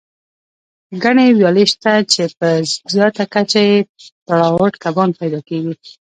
ګڼې ویالې شته، چې په زیاته کچه پکې تراوټ کبان پیدا کېږي.